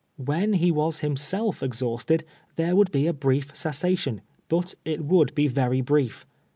AVlion he was liimsclf oxliausted, there woiihl be a brief cessation, but it wttuhl be very brief.